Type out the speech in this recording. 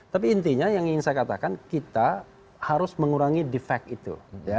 tapi intinya yang ingin saya katakan kita harus mengurangi defect itu